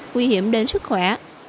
nguy hiểm đến sức khỏe